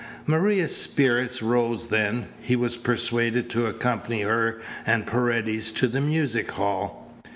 Maria's spirits rose then. He was persuaded to accompany her and Paredes to the music hall.